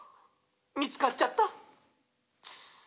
みつかっちゃった！」